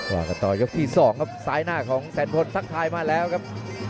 ว่ากันต่อยกที่๒ครับซ้ายหน้าของแสนพลทักทายมาแล้วครับ